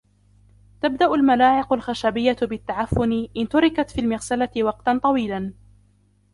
تبدأ الملاعق الخشبية بالتعفن ، إنْ تُرِكتْ في المغسلة وقتًا طويلا.